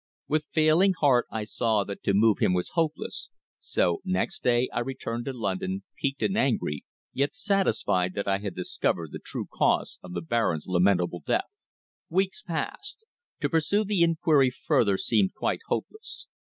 With failing heart I saw that to move him was hopeless, so next day I returned to London, piqued and angry, yet satisfied that I had discovered the true cause of the Baron's lamentable death. Weeks passed. To pursue the inquiry further seemed quite hopeless.